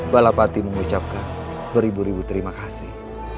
balapati mengucapkan beribu ribu terima kasih